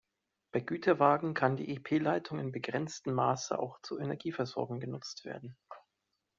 Bei Güterwagen kann die ep-Leitung in begrenztem Maße auch zur Energieversorgung genutzt werden.